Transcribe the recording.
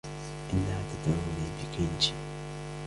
إنها تدعوني بكنجي.